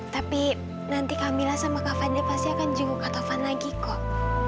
tapi nanti kamilah sama kak fandir pasti akan jenguk kak tovan lagi kok